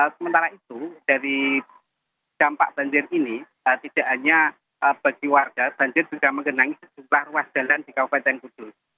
sementara itu dari dampak banjir ini tidak hanya bagi warga banjir juga menggenangi sejumlah ruas jalan di kabupaten kudus